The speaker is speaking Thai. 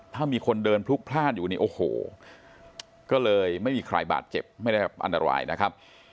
ถ้ามีคนเดินพลุกพลาดอยู่นี่โอ้โหก็เลยไม่มีใครบาดเจ็บไม่ได้รับอันตรายนะครับ